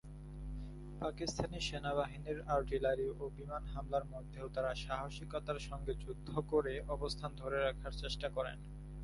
পাকিস্তানি সেনাবাহিনীর আর্টিলারি ও বিমান হামলার মধ্যেও তারা সাহসিকতার সঙ্গে যুদ্ধ করে অবস্থান ধরে রাখার চেষ্টা করেন।